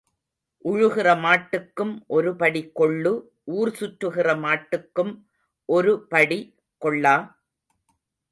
உழுகிற மாட்டுக்கும் ஒரு படி கொள்ளு ஊர் சுற்றுகிற மாட்டுக்கும் ஒரு படி கொள்ளா?